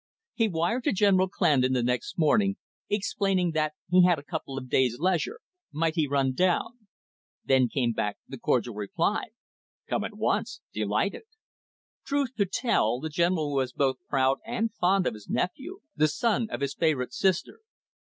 He wired to General Clandon the next morning, explaining that he had a couple of days' leisure; might he run down? There came back the cordial reply, "Come at once. Delighted." Truth to tell, the General was both proud and fond of his nephew, the son of his favourite sister.